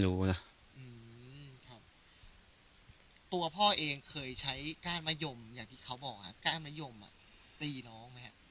มันน่าจะปกติบ้านเรามีก้านมะยมไหม